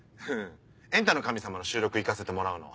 『エンタの神様』の収録行かせてもらうの。